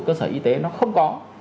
cơ sở y tế nó không có